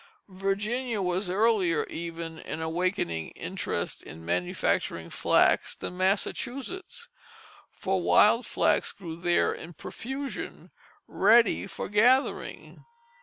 Virginia was earlier even in awakening interest in manufacturing flax than Massachusetts, for wild flax grew there in profusion, ready for gathering.